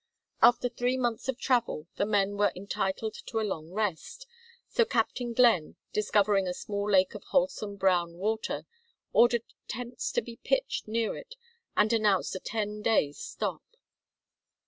After three months of travel the men were entitled to a long rest, so Captain Glenn, discovering a small lake of wholesome brown water, ordered tents to be pitched near it and announced a ten days' stop.